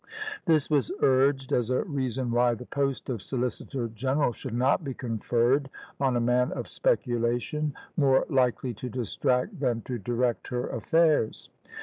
This was urged as a reason why the post of Solicitor General should not be conferred on a man of speculation, more likely to distract than to direct her affairs.